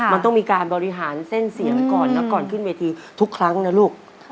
มันต้องมีการบริหารเส้นเสียงก่อนนะก่อนขึ้นเวทีทุกครั้งนะลูก